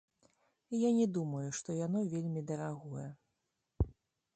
Я не думаю, што яно вельмі дарагое.